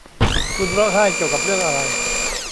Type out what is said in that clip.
คุณร้องไห้เกี่ยวกับเรื่องอะไร